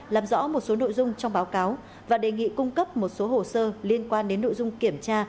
làm rõ một số nội dung trong báo cáo và đề nghị cung cấp một số hồ sơ liên quan đến nội dung kiểm tra